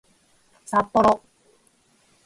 さっぽろ